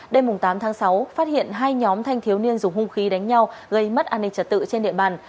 đêm tám tháng sáu phát hiện hai nhóm thanh thiếu niên dùng hung khí đánh nhau gây mất an ninh trật tự trên địa bàn